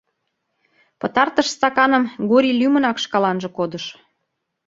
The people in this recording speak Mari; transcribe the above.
Пытартыш стаканым Гурий лӱмынак шкаланже кодыш.